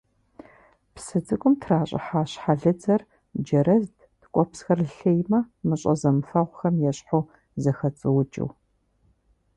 Псы цӀыкӀум тращӀыхьа щхьэлыдзэр джэрэзт ткӀуэпсхэр лъеймэ мыщӀэ зэмыфэгъухэм ещхьу зэхэцӀуукӀыу.